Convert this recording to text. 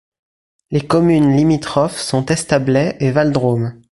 Les communes limitrophes sont Establet et Valdrôme.